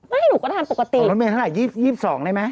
ไม่หนูก็ทานปกติของรถเมศน่ะ๒๒ได้ไหม